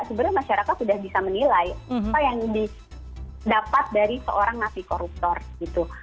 sebenarnya masyarakat sudah bisa menilai apa yang didapat dari seorang napi koruptor gitu